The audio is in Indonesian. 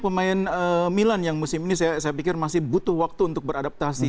pemain milan yang musim ini saya pikir masih butuh waktu untuk beradaptasi